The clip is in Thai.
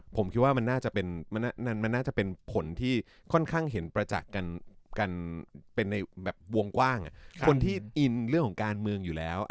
ผมคิดว่ามันน่าจะเป็นมันน่าจะเป็นผลที่ค่อนข้างเห็นประจักษ์กันเป็นในแบบวงกว้างคนที่อินเรื่องของการเมืองอยู่แล้ว